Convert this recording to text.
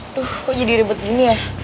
tuh kok jadi ribet gini ya